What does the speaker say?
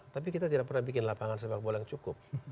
tapi kita tidak pernah bikin lapangan sepak bola yang cukup